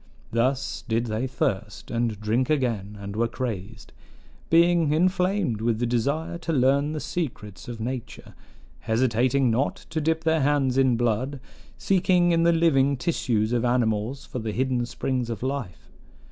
Thus did they thirst, and drink again, and were crazed; being inflamed with the desire to learn the secrets of nature, hesitating not to dip their hands in blood, seeking in the living tissues of animals for the hidden springs of life.